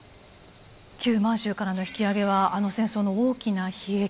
旧満州からの引き揚げはあの戦争の大きな悲劇。